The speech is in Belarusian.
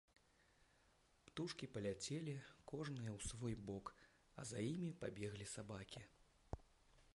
Птушкі паляцелі кожная ў свой бок, а за імі пабеглі сабакі.